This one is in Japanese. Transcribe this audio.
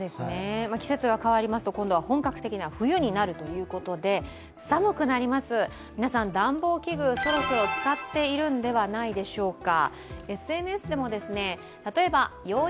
季節が変わりますと今度は本格的な冬になるということで寒くなります、皆さん暖房器具、そろそろ使っているんではないでしょうか。